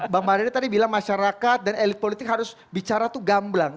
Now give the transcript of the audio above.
bang mardani tadi bilang masyarakat dan elit politik harus bicara tuh gamblang